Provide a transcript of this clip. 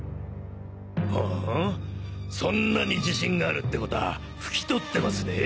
ほぉそんなに自信があるってことは拭き取ってますね？